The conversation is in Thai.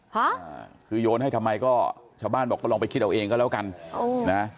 ฮะคือโยนให้ทำไมก็ชาวบ้านบอกก็ลองไปคิดเอาเองก็แล้วกันโอ้นะ